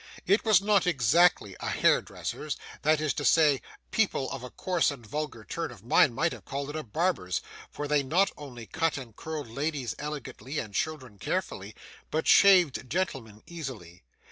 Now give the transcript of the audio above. It was not exactly a hairdresser's; that is to say, people of a coarse and vulgar turn of mind might have called it a barber's; for they not only cut and curled ladies elegantly, and children carefully, but shaved gentlemen easily.